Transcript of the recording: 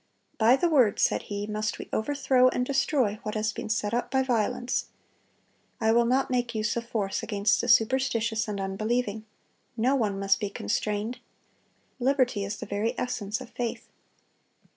"By the Word," said he, "must we overthrow and destroy what has been set up by violence. I will not make use of force against the superstitious and unbelieving.... No one must be constrained. Liberty is the very essence of faith."